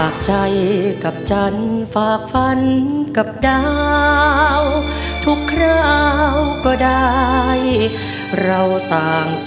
คือร้องได้ให้ร้อง